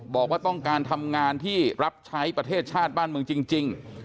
บอกว่าต้องการทำงานที่รับใช้ประเทศชาติบ้านเมืองจริง